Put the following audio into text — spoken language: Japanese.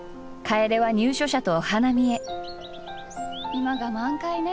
今が満開ネ。